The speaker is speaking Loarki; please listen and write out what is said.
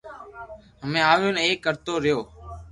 ھمي اون آ اي ڪرتو ريو